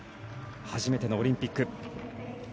初めてのオリンピック。